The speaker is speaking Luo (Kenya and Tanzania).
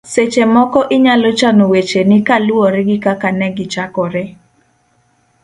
seche moko inyalo chano wecheni kaluwore gi kaka ne gichakore